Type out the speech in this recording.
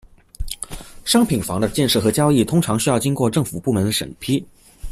商品房的建设和交易通常需要经过政府部门的审批。